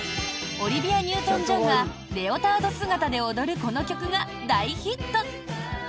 オリビア・ニュートン・ジョンがレオタード姿で踊るこの曲が大ヒット！